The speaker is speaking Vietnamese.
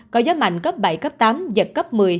có gió mạnh cấp bảy tám và cấp một mươi